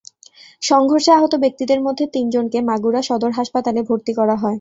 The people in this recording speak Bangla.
সংঘর্ষে আহত ব্যক্তিদের মধ্যে তিনজনকে মাগুরা সদর হাসপাতালে ভর্তি করা হয়।